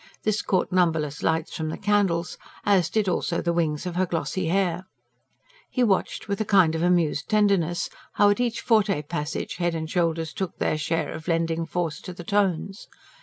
This caught numberless lights from the candles, as did also the wings of her glossy hair. He watched, with a kind of amused tenderness, how at each forte passage head and shoulders took their share of lending force to the tones.